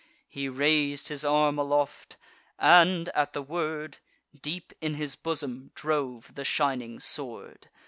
He rais'd his arm aloft, and, at the word, Deep in his bosom drove the shining sword.